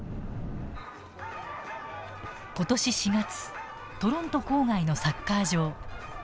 今年４月トロント郊外のサッカー場。